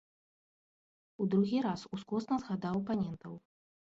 У другі раз ускосна згадаў апанентаў.